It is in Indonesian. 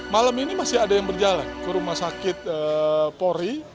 malam ini masih ada yang berjalan ke rumah sakit polri